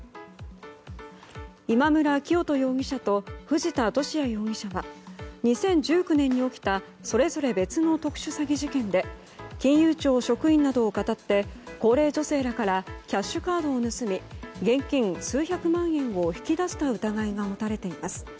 今村磨人容疑者と藤田聖也容疑者は２０１９年に起きたそれぞれ別の特殊詐欺事件で金融庁職員などをかたって高齢女性らからキャッシュカードを盗み現金数百万円を引き出した疑いが持たれています。